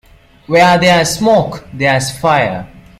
Where there's smoke there's fire.